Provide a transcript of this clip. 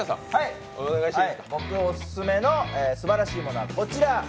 僕オススメのすばらしいものはこちら。